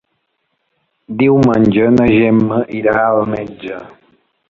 Diumenge na Gemma irà al metge.